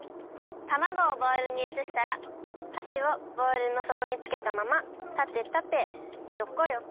たまごをボウルにうつしたらはしをボウルのそこにつけたままたてたてよこよこ。